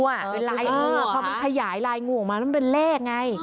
เป็นลายงูอ่ะพอมันขยายลายงูออกมาแล้วมันเป็นเลขไง